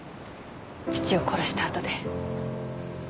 父を殺したあとで。